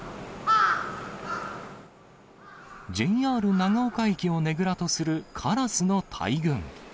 ＪＲ長岡駅をねぐらとするカラスの大群。